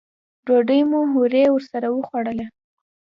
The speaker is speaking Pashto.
ډوډۍ مو هورې ورسره وخوړله.